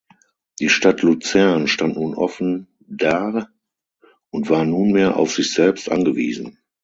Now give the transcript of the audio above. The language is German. Die Stadt Luzern stand nun offen dar und war nunmehr auf sich selbst angewiesen.